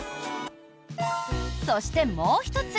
そして、もう１つ。